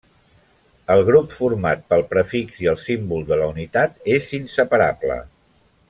El grup format pel prefix i el símbol de la unitat és inseparable.